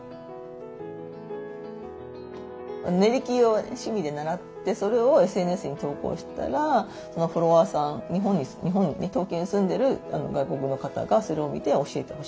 練り切りを趣味で習ってそれをＳＮＳに投稿したらフォロワーさん日本に東京に住んでる外国の方がそれを見て教えてほしいと。